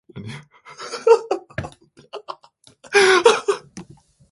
그리고 진열대에 진열한 상품을 보는 체하면서 그 여자가 어서 상층으로 올라가기만 고대하였다.